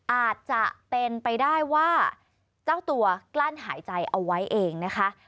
อาจจะเป็นไปได้ว่าเจ้าตัวกลั้นหายใจเอาไว้เองนะคะ